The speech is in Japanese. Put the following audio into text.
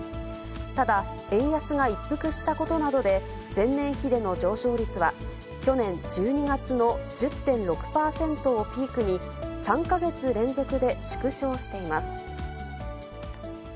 ただ、円安が一服したことなどで、前年比での上昇率は去年１２月の１０．６％をピークに、３か月連続で縮小しています。